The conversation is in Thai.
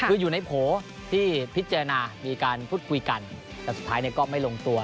คืออยู่ในโผล่ที่พิจารณามีการพูดคุยกันแต่สุดท้ายก็ไม่ลงตัว